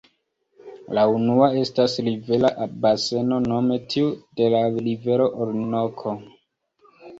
La unua estas rivera baseno, nome tiu de la rivero Orinoko.